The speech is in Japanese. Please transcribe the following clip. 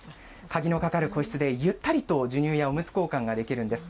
鍵のかかる個室で、ゆったりと授乳やおむつ交換ができるんです。